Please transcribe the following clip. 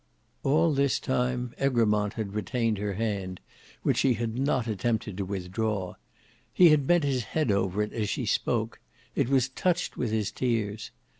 All this time Egremont had retained her hand, which she had not attempted to withdraw. He had bent his head over it as she spoke—it was touched with his tears.